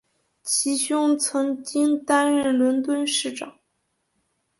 其兄曾经担任伦敦市长。